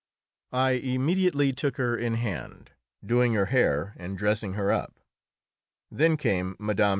I immediately took her in hand, doing her hair and dressing her up. Then came Mme.